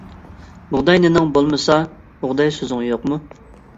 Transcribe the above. بۇغداي نېنىڭ بولمىسا، بۇغداي سۆزۈڭ يوقمۇ.